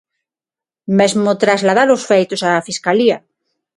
Mesmo trasladar os feitos á Fiscalía.